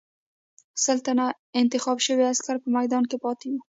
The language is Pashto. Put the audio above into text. سل تنه انتخاب شوي عسکر په میدان کې پاتې وو.